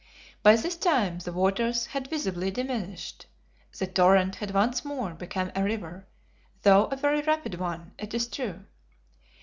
By this time the waters had visibly diminished; the torrent had once more become a river, though a very rapid one, it is true.